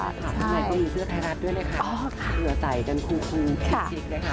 ที่ไหนก็มีเสื้อไทรัสด้วยนะคะเหลือใส่กันคูมคูมพิชิกนะคะ